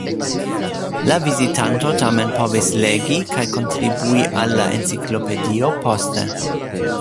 La vizitanto tamen povis legi kaj kontribui al la enciklopedio poste.